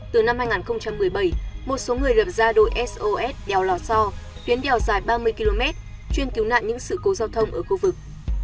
từ năm hai nghìn một mươi bảy một số người lập ra đội sos đèo lò so tuyến đèo dài ba mươi km chuyên cứu nạn những sự cố giao thông ở khu vực